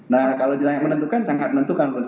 nah kalau tidak menentukan sangat menentukan